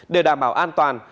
để đảm bảo an toàn